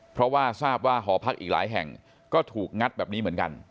เพราะว่าทราบว่าหอพักอีกหลายแห่งก็ถูกงัดแบบนี้เหมือนกัน